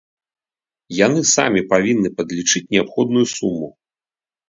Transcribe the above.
Яны самі павінны падлічыць неабходную суму.